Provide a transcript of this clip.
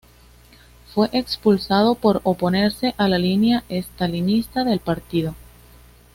Fue expulsado por oponerse a la línea estalinista del partido.